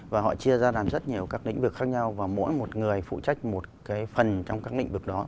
và họ chia ra làm rất nhiều các lĩnh vực khác nhau và mỗi một người phụ trách một cái phần trong các lĩnh vực đó